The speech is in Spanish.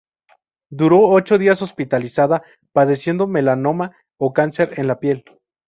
Duró ocho días hospitalizada, padeciendo melanoma o cáncer en la piel.